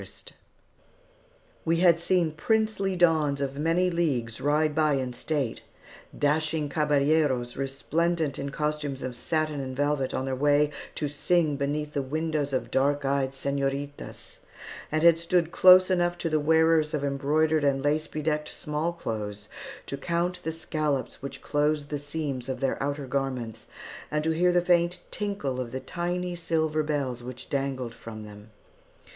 RHODES, A TYPICAL CALIFORNIA HOUSE OF THE BETTER CLASS IN 1849] We had seen princely dons of many leagues ride by in state; dashing caballeros resplendent in costumes of satin and velvet, on their way to sing beneath the windows of dark eyed señoritas; and had stood close enough to the wearers of embroidered and lace bedecked small clothes, to count the scallops which closed the seams of their outer garments, and to hear the faint tinkle of the tiny silver bells which dangled from them.